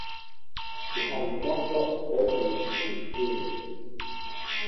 The hijacker died with the plane.